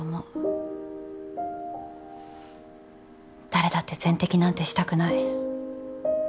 誰だって全摘なんてしたくない。